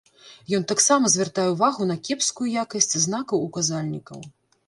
Ён таксама звяртае ўвагу на кепскую якасць знакаў-указальнікаў.